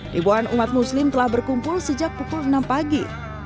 ribuan umat muslim telah berkumpul sejak pukul enam pagi